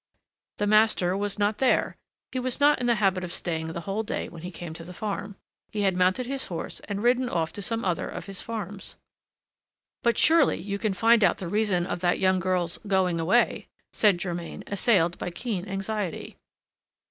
The master was not there: he was not in the habit of staying the whole day when he came to the farm. He had mounted his horse, and ridden off to some other of his farms. "But surely you can find out the reason of that young girl's going away?" said Germain, assailed by keen anxiety.